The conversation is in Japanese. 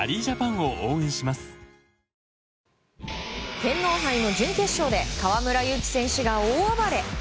天皇杯の準決勝で河村勇輝選手が大暴れ！